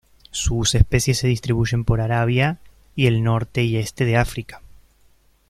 Sus especies se distribuyen por Arabia, y el norte y este de África.